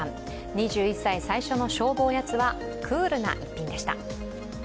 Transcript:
２１歳最初の勝負おやつはクールな一品でした。